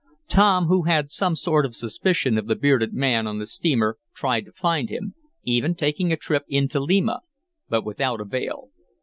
Tom, who had some sort of suspicion of the bearded man on the steamer, tried to find him, even taking a trip in to Lima, but without avail.